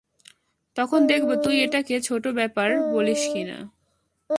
তখন দেখবো তুই এটাকে ছোটো ব্যাপার বলিস কিনা!